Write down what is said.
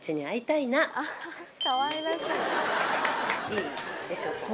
いいでしょうか？